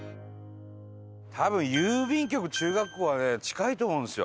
多分郵便局中学校はね近いと思うんですよ。